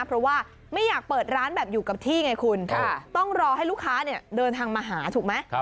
เพราะว่าไม่อยากเปิดร้านแบบอยู่กับที่ไงคุณต้องรอให้ลูกค้าเดินทางมาหาถูกไหม